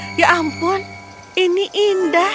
ya ampun ini indah